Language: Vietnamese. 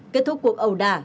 kết thúc cuộc ẩu đả